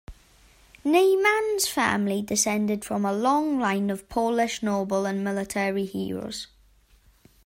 Neyman's family descended from a long line of Polish nobles and military heroes.